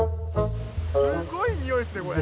すごいにおいですねこれ。